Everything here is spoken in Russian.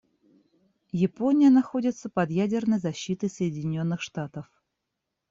Япония находится под ядерной защитой Соединенных Штатов.